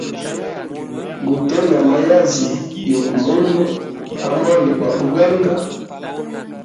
Gute na mayazi yugu mundu amwanda gwa buganga.